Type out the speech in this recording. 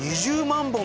２０万本？